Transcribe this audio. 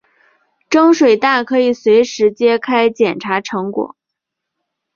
蒸水蛋可以随时揭开捡查成果。